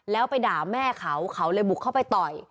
แล้วไปด่าแม่เขาเขาเลยบุกเข้าไปต่อย